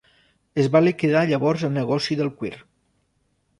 Es va liquidar llavors el negoci del cuir.